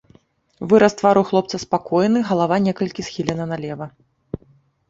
Выраз твару хлопца спакойны, галава некалькі схілена налева.